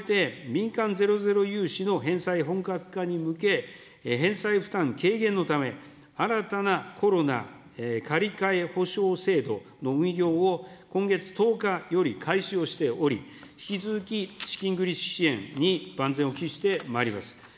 加えて、民間ゼロゼロ融資の返済本格化に向け、返済負担軽減のため、新たなコロナ借り換えほしょう制度の運用を今月１０日より開始をしており、引き続き資金繰り支援に万全を期してまいります。